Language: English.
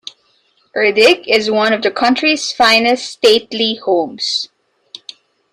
Erddig is one of the country's finest stately homes.